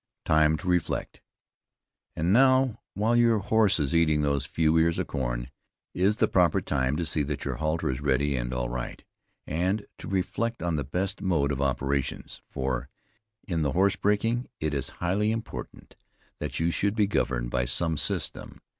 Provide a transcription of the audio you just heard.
TIME TO REFLECT. And now, while your horse is eating those few ears of corn, is the proper time to see that your halter is ready and all right, and to reflect on the best mode of operations; for, in the horsebreaking, it is highly important that you should be governed by some system.